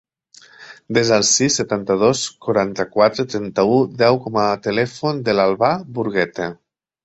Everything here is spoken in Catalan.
Desa el sis, setanta-dos, quaranta-quatre, trenta-u, deu com a telèfon de l'Albà Burguete.